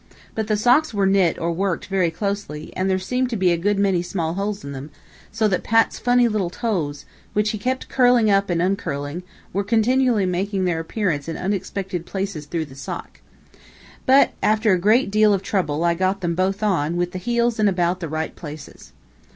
But the socks were knit or worked very loosely, and there seemed to be a good many small holes in them, so that Pat's funny little toes, which he kept curling up and uncurling, were continually making their appearance in unexpected places through the sock. But, after a great deal of trouble, I got them both on, with the heels in about the right places.